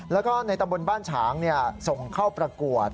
แล้วก็ในตำบลบ้านฉางส่งเข้าประกวด